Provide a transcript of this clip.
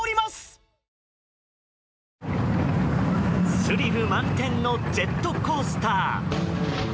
スリル満点のジェットコースター。